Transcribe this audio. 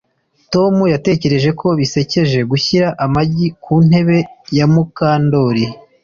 Tom yatekereje ko bisekeje gushyira amagi ku ntebe ya Mukandoli